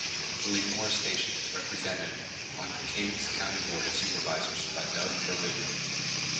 Lemoore Station is represented on the Kings County Board of Supervisors by Doug Verboon.